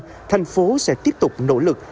và thành phố sẽ tiếp tục nỗ lực